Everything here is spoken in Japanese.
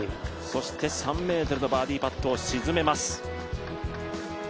そして３ｍのバーディーパットを沈めます。